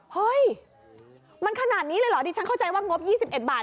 เฮ้ยมันขนาดนี้เลยเหรอดิฉันเข้าใจว่างบ๒๑บาท